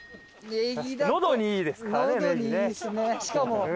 しかも。